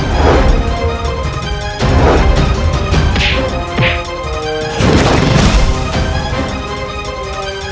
terima kasih raka